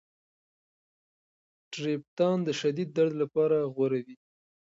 ټریپټان د شدید درد لپاره غوره دي.